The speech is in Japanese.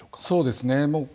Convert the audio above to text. そうですね。